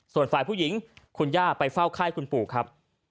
ส่วนฝ่ายผู้หญิงคุณย่าไปเฝ้าไข้คุณปู่ครับ